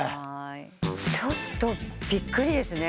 ちょっとびっくりですね。